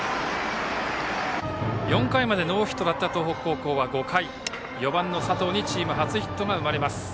４回までノーヒットだった東北高校は５回４番の佐藤にチーム初ヒットが生まれます。